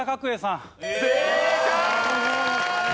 正解！